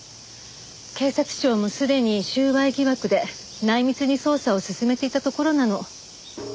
警察庁もすでに収賄疑惑で内密に捜査を進めていたところなの。